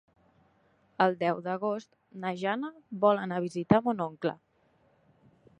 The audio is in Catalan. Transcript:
El deu d'agost na Jana vol anar a visitar mon oncle.